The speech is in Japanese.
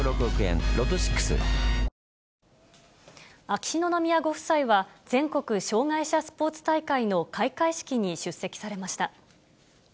秋篠宮ご夫妻は、全国障害者スポーツ大会の開会式に出席されました。